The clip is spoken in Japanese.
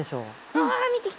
あ見てきた！